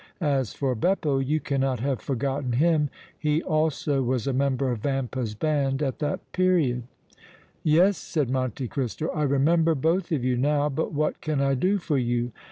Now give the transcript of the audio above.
As for Beppo, you cannot have forgotten him; he also was a member of Vampa's band at that period." "Yes," said Monte Cristo, "I remember both of you now, but what can I do for you?